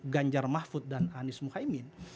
ganjar mahfud dan anies muhaimin